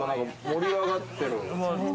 盛り上がってる。